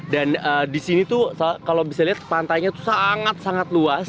dan di sini tuh kalau bisa lihat pantainya tuh sangat sangat luas